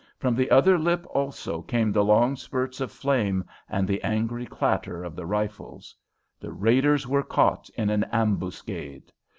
From the other lip also came the long spurts of flame and the angry clatter of the rifles. The raiders were caught in an ambuscade.